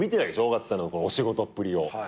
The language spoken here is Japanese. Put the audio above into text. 尾形さんのお仕事っぷりを。